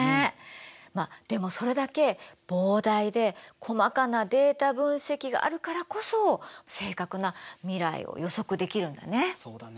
まあでもそれだけ膨大で細かなデータ分析があるからこそ正確な未来を予測できるんだね。